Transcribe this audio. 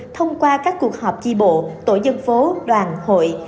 thông qua các cuộc họp chi bộ tổ dân phố đoàn hội